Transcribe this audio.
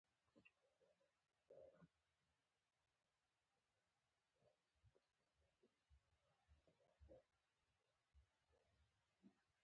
اورېدنه یو اخلاقي عمل دی.